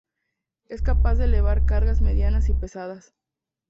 Es capaz de elevar cargas medias y pesadas.